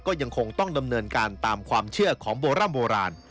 ก็ยังคงต้องดำเนินการตามความเชื่อของโบร่ำโบราณ